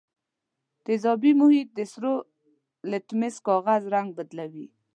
تیزابي محیط د سرو لتمس کاغذ رنګ بدلوي.